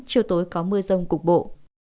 chiều tối có mưa rông cục bộ